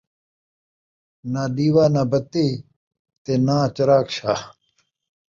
ناں ݙیوا ناں بتی تے ناں چراغ شاہ